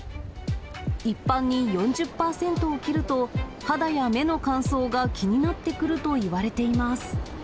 一般に４０％を切ると、肌や目の乾燥が気になってくるといわれています。